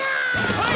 はい！